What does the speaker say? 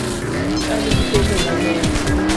An gi penjo mang'eny